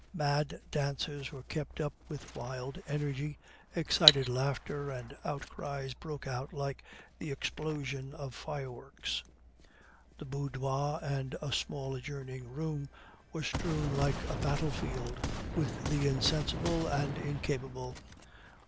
Mad dances were kept up with wild energy; excited laughter and outcries broke out like the explosion of fireworks. The boudoir and a small adjoining room were strewn like a battlefield with the insensible and incapable.